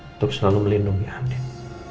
untuk selalu melindungi adin